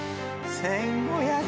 １５００！？